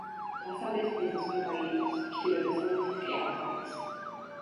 დასავლეთით ესაზღვრება ირანს, ჩრდილო-დასავლეთით კი ავღანეთს.